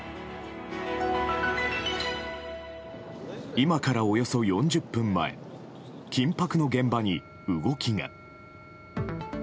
今からおよそ４０分前緊迫の現場に動きが。